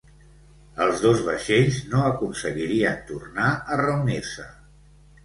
Els dos vaixells no aconseguirien tornar a reunir-se.